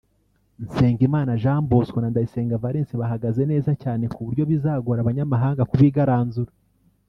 Nsengimana Jean Bosco na Ndayisenga Valens bahagaze neza cyane ku buryo bizagora abanyamahanga kubigaranzura